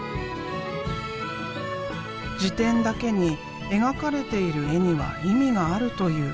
辞典だけに描かれている絵には意味があるという。